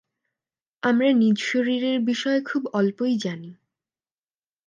আমরা নিজ শরীরের বিষয় খুব অল্পই জানি।